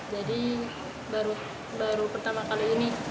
jadi baru pertama kali ini